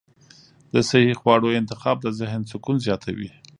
د صحي خواړو انتخاب د ذهن سکون زیاتوي.